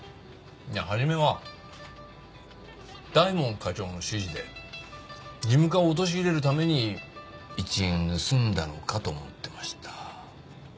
初めは大門課長の指示で事務課を陥れるために１円を盗んだのかと思ってました。